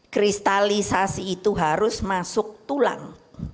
kristalisasi itu harus masuk tulang